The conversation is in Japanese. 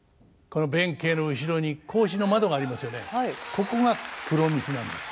ここが黒御簾なんです。